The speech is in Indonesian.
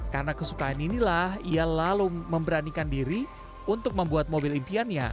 karena kesukaan inilah ia lalu memberanikan diri untuk membuat mobil impiannya